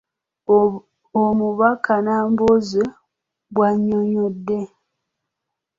Omubaka Nambooze bw’annyonnyodde.